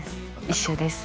一緒です